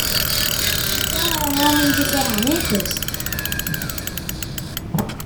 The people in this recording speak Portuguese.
Então é um homem de ferramentas.